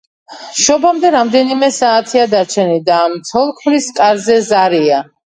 შობამდე რამდენიმე საათია დარჩენილი და ამ ცოლ-ქმრის კარზე ზარია.